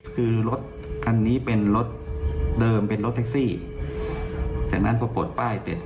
คือรถคันนี้เป็นรถเดิมเป็นรถแท็กซี่จากนั้นพอปลดป้ายเสร็จ